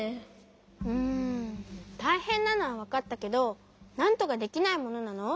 うんたいへんなのはわかったけどなんとかできないものなの？